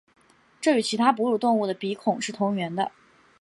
这与其他哺乳动物的鼻孔是同源的。